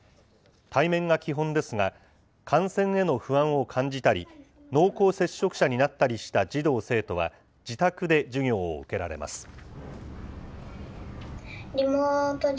対面が基本ですが、感染への不安を感じたり、濃厚接触者になったりした児童・生徒は自宅で授業を受けられます。